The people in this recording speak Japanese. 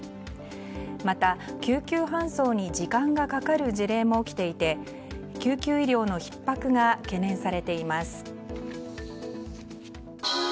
また、救急搬送に時間がかかる事例も起きていて救急医療のひっ迫が懸念されています。